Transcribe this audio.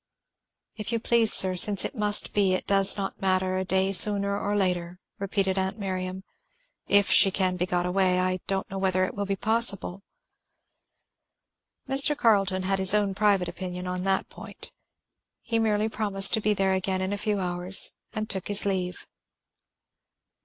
"If you please, sir, since it must be, it does not matter a day sooner or later," repeated aunt Miriam, "if she can be got away. I don't know whether it will be possible." Mr. Carleton had his own private opinion on that point. He merely promised to be there again in a few hours and took his leave.